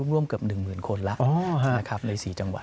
ร่วมเกือบ๑๐๐๐๐คนละนะครับใน๔จังหวัด